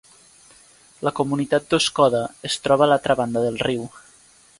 La comunitat d'Oscoda es troba a l'altra banda del riu.